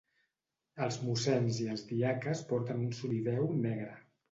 Els mossens i els diaques porten un solideu negre.